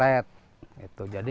nah itu pak